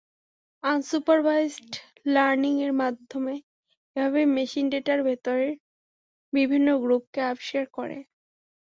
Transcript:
Unsupervised learning এর মাধ্যমে এভাবেই মেশিন ডেটার ভেতরের বিভিন্ন গ্রুপকে আবিস্কার করে।